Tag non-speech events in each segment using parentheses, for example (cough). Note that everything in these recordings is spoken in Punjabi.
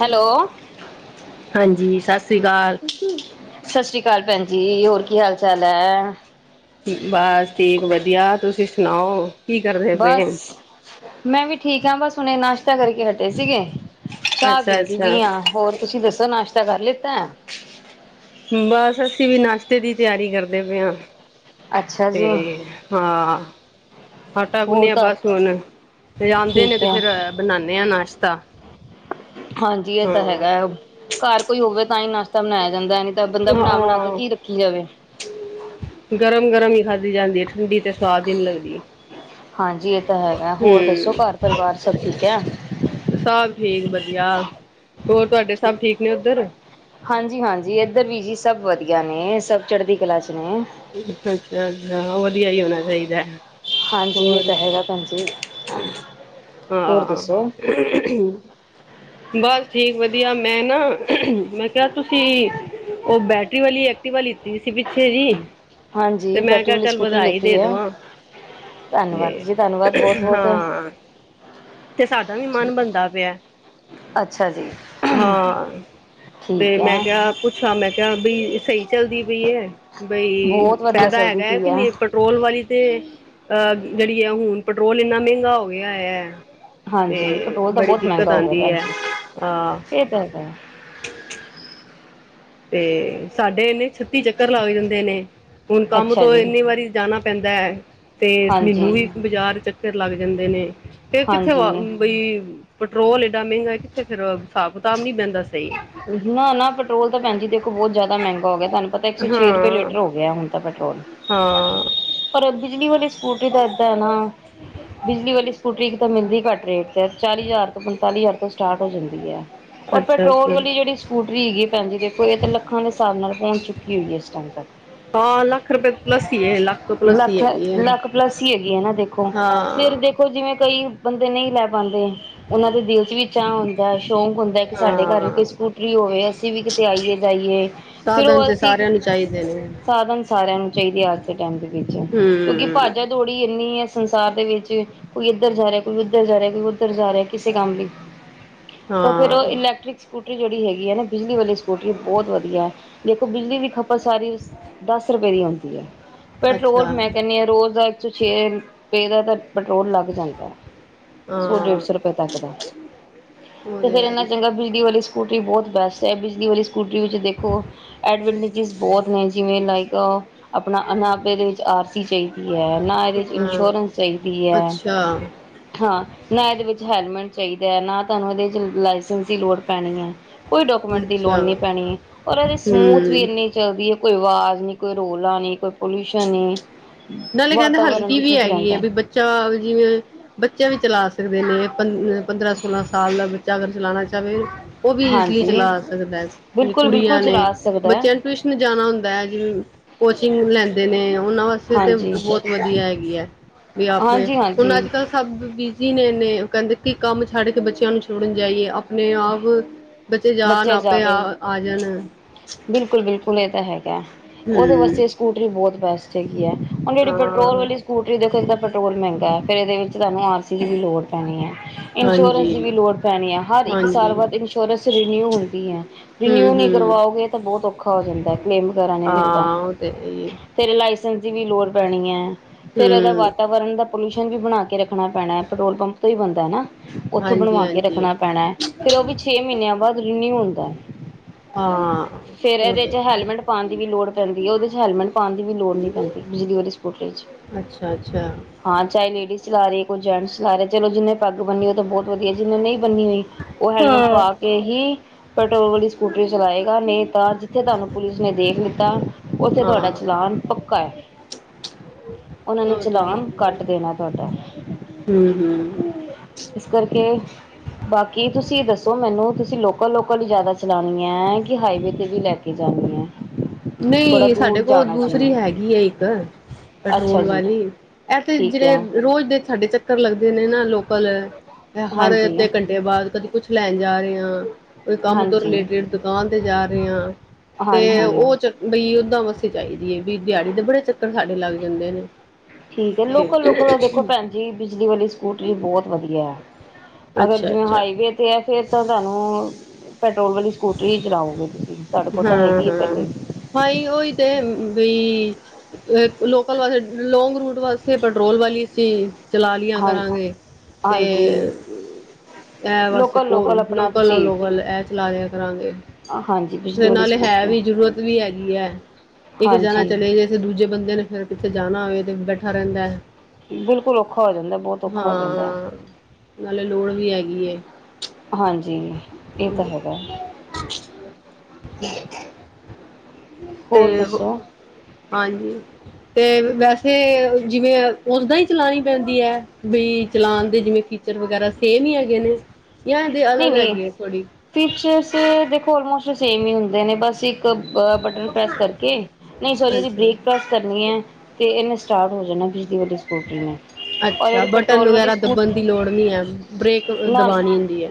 ਹੈਲੋ? ਹਾਂਜੀ, ਸਤਿ ਸ੍ਰੀ ਅਕਾਲ। ਸਤਿ ਸ਼੍ਰੀ ਅਕਾਲ ਭੈਣ ਜੀ ਹੋਰ ਕੀ ਹਾਲ ਚਾਲ ਹੈ? ਬਸ ਠੀਕ ਵਧੀਆ ਤੁਸੀਂ ਸੁਣਾਓ, ਕੀ ਕਰਦੇ ਪਏ ਬਸ, ਮੈਂ ਵੀ ਠੀਕ ਹਾਂ। ਬਸ ਹੁਣੇ ਨਾਸ਼ਤਾ ਕਰਕੇ ਹਟੇ ਸੀਗੇ। ਚਾਹ ਅੱਛਾ ਪੀਂਦੀ ਅੱਛਾ ਪਈ ਹਾਂ। ਹੋਰ ਤੁਸੀਂ ਦੱਸੋ ਨਾਸ਼ਤਾ ਕਰ ਲਿੱਤਾ ਹੈ। ਬਸ ਅਸੀਂ ਵੀ, ਨਾਸ਼ਤੇ ਦੀ ਤਿਆਰੀ ਕਰਦੇ ਪਏ ਹਾਂ। ਅੱਛਾ ਤੇ ਜੀ ਹਾਂ। ਆਟਾ ਹੋਰ ਗੁੰਨੇਿਆ, ਘਰ ਬਸ ਹੁਣ ਤੇ ਆਉਂਦੇ ਨੇ ਠੀਕ ਤੇ ਹੈ ਫਿਰ ਬਣਾਨਦੇ ਹਾਂ ਨਾਸ਼ਤਾ? ਕੁੱਤਾ (inaudible) ਹਾਂਜੀ, ਇਹ ਤਾਂ ਹੈਗਾ, ਘਰ ਕੋਈ ਹੋਵੇ ਤਾਂ ਹੀ ਨਾਸ਼ਤਾ ਬਣਾਇਆ? ਖਾਂਦਾ ਨਹੀਂ ਤਾਂ ਬੰਦਾ, ਬਣਾ-ਬਣਾ ਕੇ ਹਾਂ ਕੀ ਰੱਖੀ ਜਾਵੇ। ਗਰਮ ਗਰਮ ਹੀ ਖਾਧੀ ਜਾਂਦੀ ਹੈ (inaudible) ਠੰਡੀ ਤੇ, ਸਵਾਦ ਹੀ ਨੀ ਲੱਗਦੀ ਹਾਂਜੀ ਇਹ ਤਾਂ ਹੈਗਾ ਹੂੰ। ਹੋਰ ਦੱਸੋ ਘਰ ਪਰਿਵਾਰ ਸਭ ਠੀਕ ਹੈ ਸਭ ਠੀਕ ਵਧੀਆ, ਹੋਰ ਤੁਹਾਡੇ ਸਭ ਠੀਕ ਨੇ ਉੱਧਰ? ਹਾਂਜੀ-ਹਾਂਜੀ, ਇੱਧਰ ਵੀ ਜੀ ਸਭ ਵਧੀਆ ਨੇ, ਸਭ ਚੜ੍ਹਦੀ ਕਲਾ ਚ ਨੇ। ਅੱਛਾ- ਅੱਛਾ, ਵਧੀਆ ਹੀ ਹੋਣਾ ਚਾਹੀਦਾ ਹੈ। ਹਾਂਜੀ, ਇਹ ਤਾਂ ਹੈਗਾ ਭੈਣਜੀ? ਹਾਂ, ਬਸ? ਠੀਕ ਵਧੀਆ! ਮੈਂ ਨਾ, ਮੈਂ ਕਿਹਾ ਤੁਸੀਂ, ਉਹ ਬੈਟਰੀ ਵਾਲੀ ਐਕਟਿਵਾ, ਲੀਤੀ ਸੀ, ਪਿੱਛੇ ਜੀ? ਤੇ ਹਾਂਜੀ ਮੈਂ ਬੈਟਰੀ ਕਿਹਾ! ਵਾਲੀ ਚੱਲ ਸਕੂਟਰੀ ਵਧਾਈ ਲਿੱਤੀ ਦੇ ਹੈ ਦਵਾਂ? ਧੰਨਵਾਦ ਤੇ ਜੀ ਧੰਨਵਾਦ ਬਹੁਤ ਬਹੁਤ ਹਾਂ? ਤੇ ਸਾਡਾ ਵੀ ਮਨ ਬਣਦਾ ਪਿਆ? ਅੱਛਾ ਜੀ ਹਾਂ ਤੇ ਠੀਕ ਹੈ ਮੈਂ ਕਿਹਾ ਪੁੱਛਾਂ ਮੈਂ ਕਿਹਾ ਬਈ ਸਹੀ ਚੱਲਦੀ ਪਈ ਹੈ ਬਈ ਬਹੁਤ ਵਧੀਆ ਫਾਇਦਾ ਚੱਲਦੀ ਹੈਗਾ ਹੈ ਪਈ ਕਿ ਨਹੀਂ ਪੈਟਰੋਲ ਵਾਲੀ ਤੇ ਅਹ ਜਿਹੜੀ ਆ ਹੁਣ ਪੈਟਰੋਲ ਇੰਨਾ ਮਹਿੰਗਾ ਹੋ ਗਿਆ ਹੈ ਹਾਂਜੀ ਤੇ ਪੈਟਰੋਲ ਤਾਂ ਬੜੀ ਬਹੁਤ ਦਿੱਕਤ ਮਹਿੰਗਾ ਹੋ ਗਿਆ ਆਉਂਦੀ ਭੈਣ ਹੈ ਜੀ ਹਾਂ ਇਹ ਤਾਂ ਹੈਗਾ (unintelligible) ਤੇ ਸਾਡੇ ਇੰਨੇ ਛੱਤੀ ਚੱਕਰ ਲੱਗ ਜਾਂਦੇ ਨੇ ਹੁਣ ਕੰਮ ਅੱਛਾ ਤੋਂ ਜੀ ਇੰਨੀ ਵਾਰੀ ਜਾਣਾ ਪੈਂਦਾ ਹੈ ਤੇ ਮੈਨੂੰ ਹਾਂਜੀ ਵੀ ਬਾਜ਼ਾਰ ਚੱਕਰ ਲੱਗ ਜਾਂਦੇ ਨੇ ਤੇ ਕਿੱਥੇ ਹਾਂਜੀ ਵ ਬਈ ਪੈਟਰੋਲ ਏਡਾ ਮਹਿੰਗਾ ਕਿੱਥੇ ਫੇਰ ਹਿਸਾਬ ਕਿਤਾਬ ਨਹੀਂੀ ਬਹਿੰਦਾ ਸਹੀ ਨਾ ਨਾ ਪੈਟਰੋਲ ਤਾਂ ਭੈਣਜੀ ਦੇਖ ਬਹੁਤ ਜ਼ਿਆਦਾ ਮਹਿੰਗਾ ਹੋ ਗਿਆ ਤੁਹਾਨੂੰ ਪਤਾ ਇੱਕ ਸੌ ਛੇ ਰੁਪਏ ਹਾਂ ਲੀਟਰ ਹੋ ਗਿਆ ਹਣ ਪੈਟਰੋਲ ਹਾਂ ਪਰ ਬਿਜਲੀ ਵਾਲੀ ਸਕੂਟਰੀ ਤਾਂ ਇਏਦਾਂ ਹੈ ਨਾ ਬਿਜਲੀ ਵਾਲੀ ਸਕੂਟਰੀ ਇੱਕ ਤਾਂ ਮਿਲਦੀ ਘੱਟ ਰੇਟ ਚਾਲੀ ਹਜ਼ਾਰ ਤੋਂ ਪੰਤਾਲੀ ਹਜ਼ਾਰ ਤੋਂ ਸਟਾਰਟ ਹੋ ਜਾਂਦੀ ਹੈ ਔਰ ਅੱਛਾ ਪੈਟਰੋਲ ਅੱਛਾ ਵਾਲੀ ਜਿਹੜੀ ਸਕੂਟਰੀ ਹੈਗੀ ਭਜੀ ਦੇਖੋ ਇਹ ਲੱਖਾਂ ਦੇ ਹਿਸਾਬ ਨਾਲ ਪਹੁੰਚ ਚੁੱਕੀ ਹੋਈ ਹੈ ਇਸ ਟਾਈਮ ਤ ਹਾਂ ਲੱਖ ਰੁਪਏ ਲੱਸੀਏ ਲੱਖ ਤੋਂ ਪਲੱਸ ਹੀ ਲੱਖ ਹੈਗੀ ਹੈ ਲੱਖ ਪਲੱਸ ਹੀ ਹੈਗੀ ਹੈ ਨਾ ਦੇਖੋ ਫਿਰ ਹਾਂ ਦੇਖੋ ਜਿਵੇਂ ਕਈ ਬੰਦੇ ਨਹੀਂ ਲੈ ਪਾਉਂਦੇ ਉਹਨਾਂ ਦੇ ਦਿਲ ਚ ਵੀ ਚਅ ਹੁੰਦਾ ਸ਼ੌਂਕ ਹੁੰਦਾ ਕਿ ਸਾਡੇ ਘਰ ਹਾਂ ਕੋ ਸਕੂਟਰੀ ਹੋਵੇ ਅਸੀਂ ਵੀ ਕਿਤੇ ਆਈਏ ਜਾਈਏ ਫਿਰ ਉਹ ਸਾਧਨ ਤੇ ਅਸੀਂ ਸਾਰਿਆਂ ਨੂੰ ਚਾਹੀਦੇ ਨੇ ਸਾਧਨ ਸਾਰਿਆਂ ਨੂੰ ਚਾਹੀਦੇ ਅੱਜ ਦੇ ਟਾਈਮ ਦੇ ਵਿੱਚ ਕਿਉਂਕਿ ਭਾਜਾ ਹਮ ਦੋੜੀ ਇੰਨੀ ਸੰਸਾਰ ਦੇ ਵਿੱਚ ਕੋਈ ਇੱਧਰ ਜਾ ਰਿਹਾ ਕੋਈ ਉੱਧਰ ਜਾ ਰਿਹਾ ਕੋਈ ਉੱਧਰ ਜਾ ਰਿਹਾ ਕਿਸੇ ਕੰਮ ਲਈ ਤਾਂ ਫਿਰ ਹਾਂ ਉਹ ਇਲੈਕਟਰਿਕ ਸਕੂਟਰੀ ਜਿਹੜੀ ਹੈਗੀ ਹ ਨਾ ਬਿਜਲੀ ਵਾਲੀ ਸਕੂਟਰੀ ਬਹੁਤ ਵਧੀਆ ਦੇਖੋ ਬਿਜਲੀ ਦੀ ਖਪਤ ਸਾਰੀ ਦਸ ਰੁਪਏ ਦੀ ਹੁੰਦੀ ਹ ਪੈਟਰੋਲ ਅੱਛਾ ਮੈਂ ਕਹਿੰਦੀ ਆਾਂ ਰੋਜ਼ ਦਾ ਇੱਕ ਸੌ ਛੇ ਰੁਪਏ ਦਾ ਪੈਟਰੋਲ ਲੱਗ ਜਾਂਦਾ ਹੈ। ਸੋ ਹਾਂ ਢੇੜ ਸੋ ਰੁਪਏ ਤੱਕ ਦਾ। ਤਾਂ ਫਿਰ ਇਹਦੇ ਉਹਦੇ ਨਾਲੋਂ ਚੰਗਾ ਬਿਜਲੀ ਵਾਲੀ ਸਕੂਟਰੀ ਬਹੁਤ ਵੈਸੇ ਬਿਜਲੀ ਵਾਲੀ ਸਕੂਟਰੀ ਵਿੱਚ ਦੇਖੋ ਐਡਵਾਂਟੇਜਸ ਬਹੁਤ ਨੇ ਜਿਵੇਂ ਲਾਈਕ (unintelligible) ਨਾ ਇਹਦੇ ਵਿੱਚ ਆਰਸੀ ਚਾਹੀਦੀ ਹੈ ਨਾ ਹਾਂ ਇਨਸ਼ੋਰੈਂਸ ਚਾਹੀਦੀ ਹੈ ਅੱਛਾ (unintelligible) ਹਾਂ ਨਾ ਇਹਦੇ ਵਿੱਚ ਹੈਲਮੇਟ ਚਾਹੀਦਾ ਹ ਨਾ ਇਹਦੇ ਵਿੱਚ ਤੁਹਾਨੂੰ ਲਾਈਸੈਂਸ ਦੀ ਲੋੜ ਪੈਣੀ ਹ ਕੋਈ ਡਾਕੂਮੈਂਟ ਦੀ ਲੋੜ ਅੱਛਾ ਨਹੀਂ ਪੈਣੀ ਹੈ ਹੋਰ ਇਸ ਮੂਦ ਵੀ ਹੂੰ ਇਨੀ ਚਲਦੀ ਹੈ ਆਵਾਜ਼ ਨਹੀਂ ਕੋਈ ਰੌਲਾ ਨਹੀਂ (unintelligible) ਨਾਲੇ ਕਹਿੰਦੇ ਵਾਤਾਵਰਨ ਹਲਕੀ ਵੀ ਸ਼ੁੱਧ ਹੈਗੀ ਹੈ ਰਹਿੰਦਾ ਬਈ ਬੱਚਾ ਜਿਵੇਂ ਬੱਚਾ ਵੀ ਚਲਾ ਸਕਦੇ ਨੇ ਪੰਦਰਾਂ ਸੋਲਾ ਸਾਲ ਦਾ ਬੱਚਾ ਅਗਰ ਚਲਾਣਾ ਚਾਵੇ ਉਹ ਵੀ ਇਜੀਲੀ ਹਾਂਜੀ ਚਲਾ ਸਕਦਾ ਹੈ ਬਿਲਕੁਲ ਬਿਲਕੁਲ ਕੁੜੀਆਂ ਨੇ ਚਲਾ ਸਕਦਾ ਹੈ ਬੱਚਿਆਂ ਨੇ ਟਿਊਸ਼ਨ ਜਾਨਾ ਹੁੰਦਾ ਹੈ ਕੋਚਿੰਗ ਲੈਂਦੇ ਨੇ ਉਹਨਾਂ ਵਾਸਤੇ ਤਾਂ ਹਾਂਜੀ ਬਹੁਤ ਵਧੀਆ ਹੈਗੀ ਹੈ ਬਾਈ ਆਪਣੇ ਹਾਂਜੀ ਹੁਣ ਹਾਂਜੀ ਅੱਜ ਕੱਲ ਸਭ ਬਿਜ਼ੀ ਨੇ ਇਨੇ ਕਹਿੰਦੇ ਕੀ ਕੰਮ ਛੱਡ ਕੇ ਬੱਚਿਆਂ ਨੂੰ ਛੋੜਨ ਜਾਈਏ ਆਪਣੇ ਆਪ ਜਾਨ ਬੱਚਾ ਆਪੇ ਜਾਵੇ ਆ ਜਾਣ ਬਿਲਕੁਲ ਬਿਲਕੁਲ ਇਹ ਤੇ ਹੈਗਾ ਹ ਉਹਦੇ ਹੂੰ ਵਾਸਤੇ ਸਕੂਟਰੀ ਬੈਸਟ ਹੈਗੀ ਹ ਹੁਣ ਜਿਹੜੀ ਪੈਟਰੋਲ ਹਾਂ, ਵਾਲੀ ਸਕੂਟਰੀ ਦੇਖੋ ਪੈਟਰੋਲ ਮਹਿੰਗਾ ਹੈ ਫੇਰ ਇਹਦੇ ਵਿੱਚ ਤੁਹਾਨੂੰ ਆਰਸੀ ਦੀ ਵੀ ਲੋੜ ਪੈਣੀ ਹੈ ਇੰਸ਼ੋਰੈਂਸ ਦੀ ਹਾਂਜੀ, ਵੀ ਲੋੜ ਪੈਣੀ ਆ ਹਰ ਇੱਕ ਹਾਂਜੀ। ਸਰਵਰ ਇਨਸ਼ੋਰੈਂਸ ਰਿਵਿਊ ਹੁੰਦੀ ਹ ਰਿਨਿਊ ਹੂੰ-ਹੂੰ, ਕਰਵਾਓਗੇ ਤਾਂ ਬਹੁਤ ਔਖਾ ਹੋ ਜਾਂਦਾ ਫੇਮ ਵਗੈਰਾ ਨਹੀਂ ਮਿਲਦਾ ਹਾਂ ਉਹ ਤੇ ਹੈ ਹੀ ਏ। ਤੇਰੇ ਲਈ ਜੀ ਵੀ ਲੋੜ ਪੈਣੀ ਹ ਫਿਰ ਇਹਦਾ ਹੂੰ, ਵਾਤਾਵਰਨ ਦਾ ਪੋਲਿਊਸ਼ਨ ਵੀ ਬਣਾ ਕੇ ਰੱਖਣਾ ਪੈਣਾ ਪੈਟਰੋਲ ਪੰਪ ਕੋਈ ਬੰਦਾ ਨਾ ਉਥੋਂ ਬਣਵਾ ਕੇ ਹਾਂਜੀ-ਹਾਂਜੀ, ਰੱਖਣਾ ਪੈਣਾ ਫਿਰ ਉਹ ਵੀ ਛੇ ਮਹੀਨਿਆਂ ਬਾਅਦ ਰਿਨਿਊ ਹੁੰਦਾ ਹਾਂ ਫਿਰ ਉਹ ਇਹਦੇ ਤੇ ਚ ਹੈਲਮਟ ਪਾਉਣ ਦੀ ਵੀ ਲੋੜ ਪੈਂਦੀ ਹ ਉਹਦੇ ਚ ਹੈਲਮਟ ਪਾਉਣ ਦੀ ਵੀ ਲੋੜ ਨਹੀਂ ਪੈਂਦੀ ਪਿਛਲੀ ਵਾਰੀ ਬਿਜਲੀ ਵਾਲੀ ਸਕੂਟਰੀ ਚ ਅੱਛਾ ਹਾਂ ਚਾ ਲੇਡੀ ਚਲਾ ਰਹੀ ਹ ਗੁਲਾਰੇ ਚਲੋ ਜਿਨੇ ਪੱਗ ਬੰਨੀ ਉਹ ਤਾਂ ਬਹੁਤ ਵਧੀਆ ਜੀ ਜਿੰਨੇ ਨਹੀਂ ਬੰਨੀ ਹੋਈ ਉਹ ਹੈਲਮੈਟ ਹਾਂ। ਪਾ ਕੇ ਹੀ ਪੈਟਰੋਲ ਵਾਲੀ ਸਕੂਟਰੀ ਚਲਾਏਗਾ ਨਹੀਂ ਤਾਂ ਜਿੱਥੇ ਤੁਹਾਨੂੰ ਪੁਲਿਸ ਨੇ ਦੇਖ ਲਿੱਤਾ ਉਥੇ ਤੁਹਾਡਾ ਹਾਂ, ਚਲਾਨ ਪੱਕਾ ਹ ਉਹਨਾਂ ਨੇ ਉਹ ਚਲਾਨ ਕੱਟ ਦੇਣਾ ਤੁਹਾਡਾ ਹੂ ਹੂ ਇਸ ਕਰਕੇ ਬਾਕੀ ਤੁਸੀਂ ਦੱਸੋ ਮੈਨੂੰ ਤੁਸੀਂ ਲੋਕਲ ਲੋਕਲ ਜਿਆਦਾ ਚਲਾਨੀ ਏ ਕਿ ਹਾਈਵੇ ਤੇ ਵੀ ਲੈ ਕੇ ਜਾਣੀ ਹ (inaudible) ਨਹੀਂ ਸਾਡੇ ਕੋਲ ਦੂਸਰੀ ਜਿਵੇਂ ਹੈਗੀ ਏ ਇੱਕ ਅੱਛਾ ਪੈਟਰੋਲ ਜੀ ਵਾਲੀ ਇਹ ਫਿਰ ਠੀਕ ਹੈ ਰੋਜ਼ ਦੇ ਜਿਹੜੇ ਸਾਡੇ ਚੱਕਰ ਲੱਗਦੇ ਨੇ ਨਾ ਲੋਕਲ ਹਰ ਹਾਂਜੀ ਅੱਧੇ ਘੰਟੇ ਬਾਅਦ ਕਦੇ ਕੁਝ ਲੈਨ ਜਾ ਰਹੇ ਹਾਂ ਕੋਈ ਕੰਮ ਤੋਂ ਹਾਂਜੀ ਰਿਲੇਟਿਡ ਦੁਕਾਨ ਤੇ ਜਾ ਜਾ ਰਹੇ ਤੇ ਹਾਂਜੀ ਉਹ ਚ ਬਈ ਉਦਾਂ ਵਾਸਤੇ ਚਾਹੀਦੀ ਆ ਬਈ ਦਿਹਾੜੀ ਦੇ ਬੜੇ ਚੱਕਰ ਸਾਡੇ ਲੱਗ ਜਾਂਦੇ ਨੇ ਠੀਕ ਏ ਤੇ ਲੋਕਲ ਲੋਕਲ ਤਾਂ ਦੇਖੋ ਭੈਨਜੀ ਬਿਜਲੀ ਵਾਲੀ ਸਕੂਟਰੀ ਬਹੁਤ ਵਧੀਆ ਅਗਰ ਅੱਛਾ ਜੇ ਅੱਛਾ ਹਾਈਵੇ ਤੇ ਏ ਫੇਰ ਤਾਂ ਤੁਹਾਨੂੰ ਪੈਟਰੋਲ ਵਾਲੀ ਸਕੂਟਰੀ ਹੀ ਚਲਾਓਗੇ ਤੁਹਾਡੇ ਕੋਲ ਤਾਂ ਹੈਗੀ ਹ ਪਹਿਲੇ ਦੀ ਬਾਈ ਓਈ ਤੇ ਬਈ ਲੋਕਲ ਵਾਲੇ ਲੋਂਗ ਰੂਟ ਵਾਸਤੇ ਪੈਟਰੋਲ ਵਾਲੀ ਸੀ ਚਲਾ ਲਿਆ ਹਾਂ ਕਰਾਂਗੇ ਤੇ ਹਾਂਜੀ ਇਹ ਵਾਸਤੇ ਲੋਕਲ ਲੋਕਲ ਆਪਣਾ ਲੋਕਲ ਤੁਸੀਂ ਲੋਕਲ ਇਹ ਚਲਾ ਲਿਆ ਕਰਾਂਗੇ ਹਾਂਜੀ ਬਿਜਲੀ ਤੇ ਵਾਲੀ ਨਾਲੇ ਹੈ ਸਕੂਟਰੀ ਵੀ ਜ਼ਰੁਰਤ ਵੀ ਹੈ ਕੀ ਹੈ ਇੱਕ ਜਾਣਾ ਹਾਂਜੀ ਚਲੇ ਗਏ ਦੂਜੇ ਬੰਦੇ ਨੇ ਫਿਰ ਕਿੱਥੇ ਜਾਣਾ ਹੋਵੇ ਤੇ ਬੈਠਾ ਰਹਿੰਦਾ ਬਿਲਕੁਲ ਔਖਾ ਹੋ ਜਾਂਦਾ ਬਹੁਤ ਔਖਾ ਹੋ ਜਾਂਦਾ। ਹਾਂ ਨਾਲੇ ਲੋੜ ਵੀ ਹੈਗੀ ਏ। ਹਾਂਜੀ ਇਹ ਤਾਂ ਹੈਗਾ। ਹ (inaudible) ਤੇ, ਹੋਰ ਦੱਸੋ ਹਾਂਜੀ ਤੇ ਵੈਸੇ ਜਿਵੇਂ ਉਦਾ ਈ ਚਲਾਣੀ ਪੈਂਦੀ ਹੈ, ਬੀ ਚਲਾਉਣ ਦੇ ਜਿਵੇਂ ਫੀਚਰ ਵਗੈਰਾ ਸੇਮ ਹੀ ਹੈਗੇ ਨੇ। ਜਾਂ ਇਹਦੇ ਨਹੀਂ ਅਲੱਗ ਨਹੀਂ ਹੈਗੇ ਥੋੜੀ ਫੀਚਰਸ ਦੇਖੋ ਆਲ ਮੋਸਟ ਸੇਮ ਈ ਹੁੰਦੇ ਨੇ ਬਸ ਇੱਕ ਇੱਕ ਬਟਨ ਪ੍ਰੈਸ ਕਰਕੇ, ਨਹੀਂ ਸੋਰੀ ਇਹਦੀ ਅੱਛਾ ਬ੍ਰੇਕ ਪ੍ਰੈਸ ਕਰਨੀ ਏ ਤੇ ਇਹਨੇ ਸਟਾਰਟ ਹੋ ਜਾਣਾ। ਬਿਜਲੀ ਵਾਲੀ ਸਕੂਟੀ ਨੇ। ਔਰ ਅੱਛਾ ਜਿਹੜੀ ਬਟਨ ਪੈਟਰੋਲ ਵਾਲੀ ਵਗੈਰਾ ਸਕੂ ਦੱਬਣ ਦੀ ਲੋੜ ਨਹੀਂ ਏ, ਬ੍ਰੇਕ ਨਾ ਦਬਾਉਣੀ ਹੁੰਦੀ ਏ।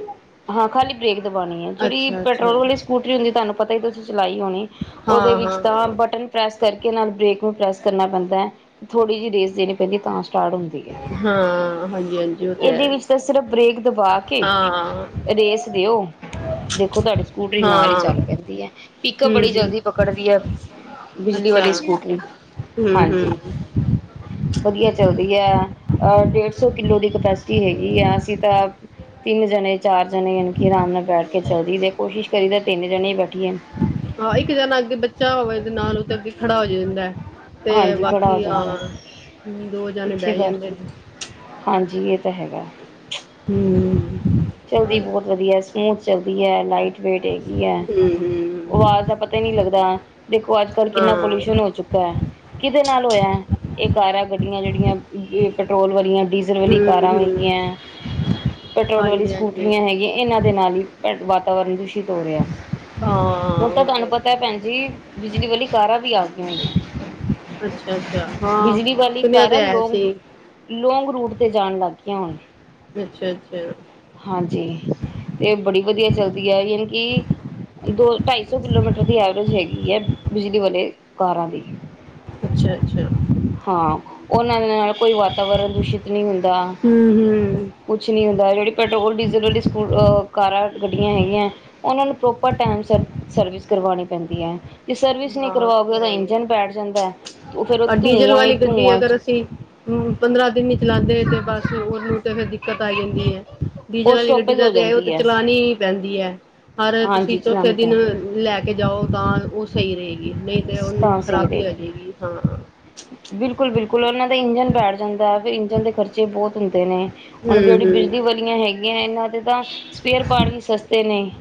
ਹਾਂ ਖਾਲੀ ਬ੍ਰੇਕ ਦਬਾਣੀ ਹੈ, ਜਿਹੜੀ ਪੈਟਰੋਲ ਅੱਛਾ ਵਾਲੀ ਸਕੂਟਰੀ ਹੁੰਦੀ ਤੁਹਾਨੂੰ ਪਤਾ ਈ ਚਲਾਈ ਹੋਨੀ ਉਹਦੇ ਹਾਂ ਵਿੱਚ ਤਾਂ ਹਾਂ ਬਟਨ ਪ੍ਰੈਸ ਕਰਕੇ ਨਾਲ ਬ੍ਰੇਕ ਨੂੰ ਪ੍ਰੈੱਸ ਕਰਨਾ ਪੈਂਦਾ ਥੋੜ੍ਹੀ ਜਿਹੀ ਰੇਸ ਦੇਣੀ ਪੈਂਦੀ ਤਾਂ ਸਟਾਰਟ ਹੁੰਦੀ ਹੈ, ਹਾਂ ਹਾਂਜੀ ਹਾਂਜੀ ਉਹ ਤੇ ਇਹਦੇ ਹੈ ਵਿੱਚ ਤਾਂ ਸਿਰਫ ਬ੍ਰੇਕ ਦਬਾ ਕੇ ਹਾਂ ਰੇਸ ਦਿਓ, ਦੇਖੋ ਤੁਹਾਡੀੇ ਸਕੂਟਰੀ ਨਾਲ ਹੀ ਹਾਂ ਚੱਲ ਹਮ ਪੈਂਦੀ ਏ। ਪਿਕ ਬੜੀ ਹਮ ਜਲਦੀ ਪਕੜਦੀ ਏ। ਬਿਜਲੀ ਅੱਛਾ ਵਾਲੀ ਸਕੂਟਰੀ, ਹਮ ਹਾਂਜੀ ਹਮ ਵਧੀਆ ਚਲਦੀ ਹੈ। ਅ ਡੇਢ ਸੌ ਕਿੱਲੋ ਦੀ ਕਪੈਸਿਟੀ ਹੈਗੀ ਆ ਅਸੀਂ ਤਾਂ, ਤਿੰਨ ਜਣੇ ਚਾਰ ਜਨੇ ਯਾਨੀ ਕਿ ਅਰਾਮ ਨਾਲ ਬੈਠ ਕੇ ਚਲਦੀ ਕੋਸ਼ਿਸ਼ ਕਰੀ ਦਾ ਤਿੰਨ ਜਨੇ ਈ ਬੈਠੀ ਏ। ਹਾ ਇੱਕ ਜਾਣਾ ਅੱਗੇ ਬੱਚਾ ਹੋਵੇ ਤੇ ਨਾਲ ਉਹ ਤੇ ਅੱਗੇ ਖੜਾ ਹੋ ਜਾਂਦਾ। ਤੇ ਹਾਂਜੀ ਖੜਾ ਹੋ ਬਾਕੀ ਆ ਜਾਂਦਾ ਹ ਦੋ ਜਾਣੇ ਪਿੱਛੇ ਬਹਿ ਬੈਠ ਜਾਂਦੇ ਜਾਂਦਾ ਨੇ। ਹਾਂਜੀ ਇਹ ਹੈਗਾ ਹੁ। ਚਲਦੀ ਬਹੁਤ ਵਧੀਆ ਸਮੂਥ ਚਲਦੀ ਏ ਲਾਈਟ ਵੇਟ ਹੈਗੀ ਏ। ਹਮ ਵਾਜ਼ ਦਾ ਪਤਾ ਹੀ ਨਹੀਂ ਲੱਗਦਾ, ਦੇਖੋ ਅੱਜ ਕੱਲ੍ਹ ਕਿੰਨਾ ਹਾਂ ਪੋਲਿਊਸ਼ਨ ਹੋ ਚੁੱਕਾ ਏ। ਕਿਹਦੇ ਨਾਲ ਹੋਇਆ, ਇਹ ਕਾਰਾ ਗੱਡੀਆਂ ਜਿਹੜੀਆਂ ਪੈਟਰੋਲ ਵਾਲੀਆਂ ਡੀਜ਼ਲ ਹਮ ਵਾਲੀ ਕਾਰਾਂ ਹਮ ਹੈਗੀਆਂ, ਪੈਟਰੋਲ ਵਾਲੀ ਹਾਂਜੀ ਹਾਂਜੀ ਸਕੂਟਰੀਆਂ ਹੈਗੀਆਂ ਇਹਨਾਂ ਦੇ ਨਾਲ ਈ, ਪੈ ਵਾਤਾਵਰਨ ਦੂਸ਼ਿਤ ਤੋਰਿਆ ਹਾਂ ਹੁਣ ਤਾਂ ਉਹ ਤੁਹਾਨੂੰ ਤੇ ਪਤਾ ਭੈਨ ਜੀ ਬਿਜਲੀ ਵਾਲੀ ਕਾਰਾਂ ਵੀ ਆ ਗਈਆਂ। ਅੱਛਾ ਅੱਛਾ ਹਾਂ ਸੁਨਿਆ ਤੇ ਹੈ ਸੀ। ਲੋਂਗ ਰੂਟ ਤੇ ਜਾਣ ਲੱਗ ਗਈਆਂ ਹੁਨ। ਅੱਛਾ ਅੱਛਾ। ਹਾਂਜੀ ਤੇ ਬੜੀ ਵਧੀਆ ਚੱਲਦੀ। ਯਾਨੀ ਕਿ ਦੋ ਢਾਈ ਸੌ ਕਿਲੋਮੀਟਰ ਦੀ ਐਵਰੇਜ ਹੈਗੀ ਹੈ ਬਿਜਲੀ ਵਾਲੇ ਪਕਾਰਾਂ ਦੀ। ਅੱਛਾ। ਅੱਛਾ ਹਾਂ, ਉਹਨਾਂ ਨਾਲ ਕੋਈ ਵਾਤਾਵਰਨ ਦੂਸ਼ਿਤ ਨਹੀਂ ਹੁੰਦਾ। ਹਮ ਹਮ ਕੁਛ ਨੀ ਹੁੰਦਾ। ਜਿਹੜੀ ਪੈਟਰੋਲ ਡੀਜ਼ਲ ਵਾਲੀ ਸਕੂ, ਕਾਰਾਂ ਗੱਡੀਆਂ ਹੈਗੀਆਂ ਉਹਨਾਂ ਨੂੰ ਪ੍ਰੋਪਰ ਟਾਈਮ ਸ ਸਰਵਿਸ ਕਰਵਾਉਣੀ ਪੈਂਦੀ ਹੈ ਅਤੇ ਸਰਵਿਸ ਨਹੀਂ ਹਾਂ ਉਹ ਕਰਵਾਓਗੇ ਤੇ ਉਹਦਾ ਹੈ ਹੀ ਹੈ ਇੰਜਣ ਬੈਠ ਜਾਂਦਾ, ਉਹ ਫਿਰ ਉਹ ਔਰ ਡੀਜ਼ਲ ਧੂੰਆਂ ਹੀ ਵਾਲੀ ਗੱਡੀ ਧੂੰਆਂ ਅਗਰ ਅਸੀਂ, ਪੰਦਰਾਂ ਦਿਨ ਹੀ ਚਲਾਉਂਦੇ। ਤੇ ਬਸ ਉਹਨੂੰ ਤੇ ਫਰ ਦਿੱਕਤ ਆ ਜਾਂਦੀ ਹੈ। ਡੀਜ਼ਲ ਉਹ ਵਾਲੀ ਗੱਡੀ ਸਟੋਪੇਜ ਦਾ ਹੋ ਤੇ ਆ ਉਹ ਤੇ ਜਾਂਦੀ ਹੈ ਚਲਾਾਨੀ ਹੀ ਪੈਂਦੀ ਹੈ। ਹਰ ਤੁਸੀਂ ਹਾਂਜੀ ਚੌਥੇ ਚਲਾਉਣੀ ਦਿਨ ਪੈਂਦੀ ਹੈ ਲੈ ਕੇ ਜਾਓ ਤਾਂ, ਉਹ ਸਹੀ ਰਹੇਗੀ। ਨਹੀਂ ਤੇ ਉਹਨੂੰ ਤਾਂ ਸਹੀ ਖਰਾਬੀ ਆ ਰਹੇਗੀ ਜਾਏਗੀ ਹਾਂ ਹਾਂ। ਬਿਲਕੁਲ ਬਿਲਕੁਲ ਉਹਨਾਂ ਦਾ ਇੰਜਣ ਬੈਠ ਜਾਂਦਾ ਹੈ ਵੀ ਇੰਜਣ ਦੇ ਖਰਚੇ ਬਹੁਤ ਹੁੰਦੇ ਨੇ। ਹਮ ਹੁਣ ਜਿਹੜੀ ਬਿਜਲੀ ਹਮ ਵਾਲੀਆਂ ਹੈਗੀਆਂ ਇਹਨਾਂ ਦੇ। ਦ ਸਪੀਅਰ ਪਾਰਟ ਵੀ ਸਸਤੇ ਨੇ,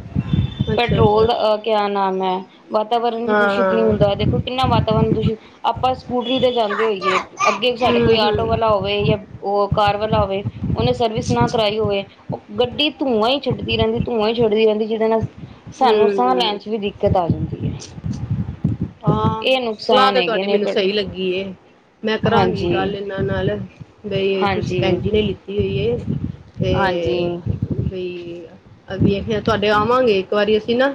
ਅੱਛਾ ਪੈਟਰੋਲ ਅੱਛਾ ਦਾ ਅ ਕਿਆ ਨਾਮ ਹੈ ਵਾਤਾਵਰਨ ਵੀ ਹਾਂ ਦੂਸ਼ਿਤ ਨਹੀਂ ਹਾਂ ਹੁੰਦਾ ਦੇਖੋ ਕਿੰਨਾ ਵਾਤਾਵਰਨ ਦੂਸ਼ਿਤ ਆਪਾਂ ਰੀ ਦੇ ਜਾਂਦੇ ਹੋਈਏ ਅੱਗੇ ਸਾਡੇ ਹਮ ਕੋਈ ਆਟੋ ਹਮ ਵਾਲਾ ਹੋਵੇ ਯਾਂ ਓ ਕਾਰ ਵਾਲਾ ਹੋਵ ਔਨੇ ਸਰਵਿਸ ਨਾ ਕਰਾਈ ਹੋਵੇ ਔ ਗੱਡੀ ਧੂੰਆਂ ਈ ਛੱਡਦੀ ਰਹਿੰਦੀ ਧੂੰਆਂ ਈ ਛੱਡਦੀ ਰਹਿੰਦੀ ਜਿਹਦੇ ਨਾਲ ਸਾਨੂੰ ਸਾਹ ਹਮ ਲੈਣ ਚ ਵੀ ਦਿੱਕਤ ਆ ਜਾਂਦੀ ਐ। ਹਾਂ ਸਲਾਹ ਤੇ ਤੁਹਾਡੀ ਮੈਨੂੰ ਪਰ ਸਹੀ ਲੱਗੀ। ਏ। ਮੈਂ ਕਰਾਂਗੀ ਗੱਲ ਹਾਂਜੀ ਇਹਨਾਂ ਨਾਲ ਬਈ ਤੁਸੀ ਹਾਂਜੀ ਭੈਂਜੀ ਨੇ ਲਿੱਤੀ ਹੋਈ ਤੇ ਏ ਹਾਂਜੀ ਬਈ ਅ ਕਰਦੀ ਫੇਰ ਤੁਹਾਡੇ ਆਵਾਂਗੇ। ਇੱਕ ਵਾਰੀ ਅਸੀ ਨਾ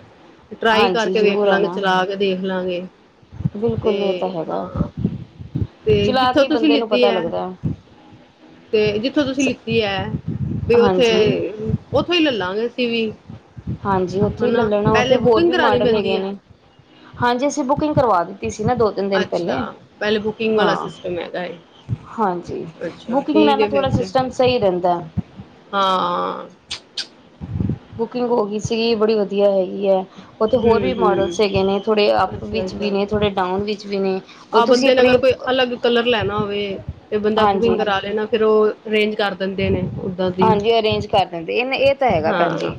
ਟਰਾਈ ਹਾਂਜੀ ਕਰਕੇ ਵੇਖ ਜ਼ਰੂਰ ਲਾਂਗੇ ਆਉਣਾ ਚਲਾ ਕੇ ਦੇਖ ਲਾਂਗੇ। ਤੇ ਬਿਲਕੁਲ ਇਹ ਤਾਂ ਹੈਗਾ ਹਾਂ। ਤੇ ਚਲਾ ਕੇ ਜਿੱਥੋਂ ਹੀ ਤੁਸੀਂ ਬੰਦੇ ਨੂੰ ਲਿੱਤੀ ਪਤਾ ਐ। ਲੱਗਦਾ ਤੇ ਜਿੱਥੋਂ ਤੁਸੀਂ ਲਿੱਤੀ ਐ ਤੇ ਓਥੇ ਹਾਂਜੀ ਔਥੋਂ ਈ ਲੇਲਾਂਗੇ ਅਸੀ ਵੀ। ਹਾਂਜੀ ਔਥੋਂ ਈ ਲੇ ਹਨਾ ਲੈਣਾ ਔਥੇ ਪਹਿਲੇ ਹੋਰ ਬੁਕਿੰਗ ਵੀ ਕਰਾਣੀ ਮਾਡਲ ਪੈਂਦੀ ਹੈਗੇ ਹੈ ਨੇ। ਹਾਂਜੀ ਅਸੀ ਬੁਕਿੰਗ ਕਰਵਾ ਦਿੱਤੀ ਸੀ। ਨਾ ਦੋ ਤਿੰਨ ਦਿਨ ਅੱਛਾ। ਪਹਿਲੇ ਪਹਿਲੇ ਬੁਕਿੰਗ ਵਾਲਾ ਹਾਂ ਸਿਸਟਮ ਹੈਗਾ ਏ। ਹਾਂਜੀ, ਅੱਛਾ ਬੁਕਿੰਗ ਦਾ ਠੀਕ ਨਾ ਹੈ ਥੋੜਾ ਫਿਰ ਤੇ ਸਿਸਟਮ ਸਹੀ ਰਹਿੰਦਾ। ਹਾਂ। ਬੁਕਿੰਗ ਹੋਗੀ ਸੀਗੀ ਬੜੀ ਵਧੀਆ ਹੈਗੀ ਐ। ਔਥੇ ਹੂੰ ਹੋਰ ਵੀ ਮੋਡਲਸ ਹੂੰ ਹੈਗੇ ਨੇ ਥੋੜੇ ਅਪ ਅੱਛਾ ਵਿਚ ਵੀ ਅੱਛਾ ਨੇ ਥੋੜੇ ਡਾਊਨ ਵਿੱਚ ਵੀ ਨੇ ਓ ਆਹ ਤੁਸੀ ਬੰਦੇ ਨੇ ਅਪਣੇ ਅਗਰ ਕੋਈ ਅਲੱਗ ਕਲਰ ਲੈਣਾ ਹੋਵੇ ਤੇ ਬੰਦਾ ਬੁਕਿੰਗ ਹਾਂਜੀ ਕਰਾ ਲੈਣਾ ਫੇਰ ਔ ਰੇਂਜ ਕਰ ਦੇੰਦੇ ਨੇ। ਓਦਾਂ ਦੀ ਹਾਂਜੀ ਅਰੇਂਜ ਕਰ ਦਿੰਦੇ। ਏਨ ਏਹ ਤਾਂ ਹੈਗਾ ਭੈਣ ਹਾਂ ਜੀ।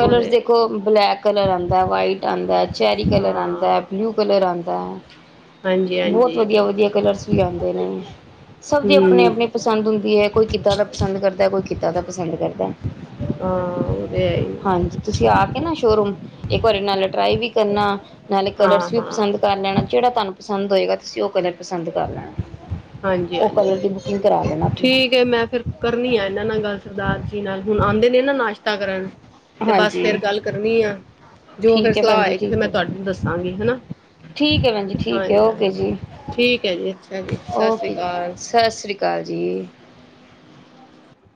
ਉਹ ਤੇ ਹੈ ਹੀ ਦੇਖੋ ਬਲੈਕ ਕਲਰ ਆਂਦਾ ਵਾਈਟ ਆਂਦਾ ਐ। ਚੈਰੀ ਹੈ ਕਲਰ ਆਂਦਾ ਹਾਂ ਬਲੂ ਕਲਰ ਆਂਦਾ। ਹਾਂਜੀ ਬੋਤ ਹਾਂਜੀ ਵਧੀਆ ਵਧੀਆ ਕਲਰਸ ਵੀ ਆਂਦੇ ਨੇ। ਸਭ ਦੀ ਅਪਣੀ ਹੂੰ ਅਪਣੀ ਪਸੰਦ ਹੁੰਦੀ ਐ ਕੋਈ ਕਿੱਦਾਂ ਦ ਕੋਈ ਕਿੱਦਾਂ ਦਾ ਪਸੰਦ ਕ ਦਾ। ਹਾਂ ਉਹ ਤੇ ਹੈ ਹੀ ਹਾਂਜੀ, ਤੁਸੀਂ ਆ ਕੇ ਨਾ ਸ਼ੋਰੂਮ ਏਕ ਵਾਰੀ ਨਾਲ ਟਰਾਈ ਵੀ ਕਰਨਾ ਨਾਲੇ ਹਾਂ ਕਲਰਸ ਵੀ ਹਾਂ ਪਸੰਦ ਕਰ ਲੈਣਾ। ਜੇਹੜਾ ਤੁਹਾਨੂੰ ਪਸੰਦ ਹੋਏਗਾ ਤੁਸੀਂ ਔ ਕਲਰ ਪਸੰਦ ਕਰ ਲੈਣਾ। ਹਾਂਜੀ ਓਹ ਹਾਂਜੀ ਕਲਰ ਦੀ ਬੁਕਿੰਗ ਕਰਾ ਲੈਣਾ ਅਪਣੀ। ਠੀਕ ਹੈ ਮੈਂ ਫਿਰ ਕਰਨੀ ਆਂ ਏਹਨਾਂ ਨਾਲ ਗੱਲ ਸਰਦਾਰ ਜੀ ਨਾਲ ਹੁਣ ਆਂਦੇ ਨੇ ਨਾਸ਼ ਤਾਂ ਕਰਨ ਤੇ ਬਸ ਫੇਰ ਹਾਂਜੀ। ਗੱਲ ਕਰਨੀ ਆਂ। ਜੋ ਫੇਰ ਠੀਕ ਐ ਸਲਾਹ ਭੈਣ ਜੀ, ਹੋਏਗੀ ਫੇਰ ਠੀਕ ਮੈਂ ਐ। ਤੁਹਾਾਨੂੰ ਦੱਸਾਂਗੀ ਹੈਨਾ। ਠੀਕ ਐ ਭੈਣ ਜੀ ਠੀਕ ਐ ਓਕੇ ਜੀ। ਠੀਕ ਹੈ ਜੀ ਅੱਛਾ ਜੀ ਸਤਿ ਸ਼੍ਰੀ ਓਕੇ ਜੀ। ਅਕਾਲ ਸਤਿ ਸ੍ਰੀ ਅਕਾਲ ਜੀ।